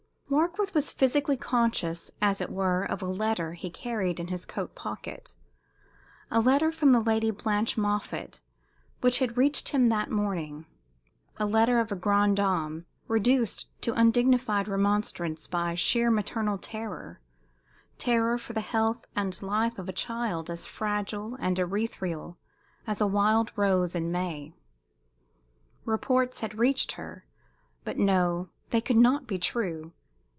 Warkworth was physically conscious, as it were, of a letter he carried in his coat pocket a letter from Lady Blanche Moffatt which had reached him that morning, the letter of a grande dame, reduced to undignified remonstrance by sheer maternal terror terror for the health and life of a child as fragile and ethereal as a wild rose in May. Reports had reached her; but no they could not be true!